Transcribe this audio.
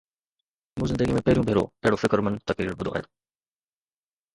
مون زندگيءَ ۾ پهريون ڀيرو اهڙو فڪرمند تقرير ٻڌو آهي.